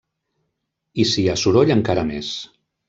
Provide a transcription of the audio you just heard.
I si hi ha soroll encara més.